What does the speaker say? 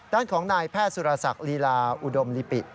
ด้านของนายแพทย์สุรศักดิ์ลีลาอุดมลิปิ